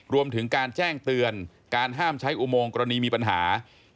รวมถึงการแจ้งเตือนการห้ามใช้อุโมงกรณีมีปัญหา